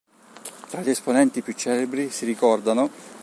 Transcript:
Tra gli esponenti più celebri si ricordano